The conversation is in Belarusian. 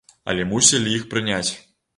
Але мусілі іх прыняць.